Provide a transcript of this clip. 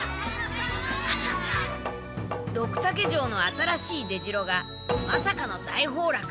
ドクタケ城の新しい出城がまさかの大崩落。